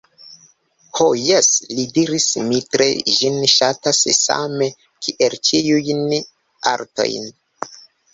Ho jes, li diris, mi tre ĝin ŝatas, same kiel ĉiujn artojn.